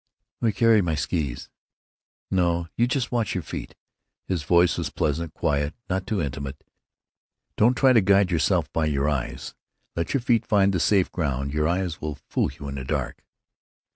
"Let me carry my skees." "No, you just watch your feet." His voice was pleasant, quiet, not too intimate. "Don't try to guide yourself by your eyes. Let your feet find the safe ground. Your eyes will fool you in the dark."